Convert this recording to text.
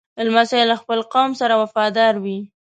لمسی له خپل قوم سره وفادار وي.